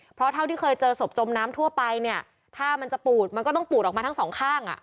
เพราะเท่าที่เคยเจอศพจมน้ำทั่วไปเนี่ยถ้ามันจะปูดมันก็ต้องปูดออกมาทั้งสองข้างอ่ะ